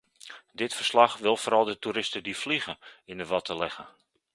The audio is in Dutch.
Dit verslag wil vooral de toeristen die vliegen in de watten leggen.